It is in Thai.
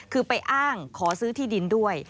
คือไปอ้างขอซื้อที่ดินด้วย